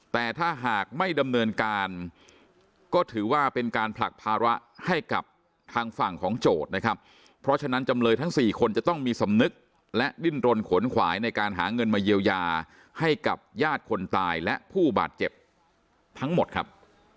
แต่ถ้าหากไม่ดำเนินการก็ถือว่าเป็นการผลักภาระให้กับทางฝั่งของโจทย์นะครับเพราะฉะนั้นจำเลยทั้ง๔คนจะต้องมีสำนึกและดิ้นรนขนขวายในการหาเงินมาเยียวยาให้กับญาติคนตายและผู้บาดเจ็บทั้งหมดครับ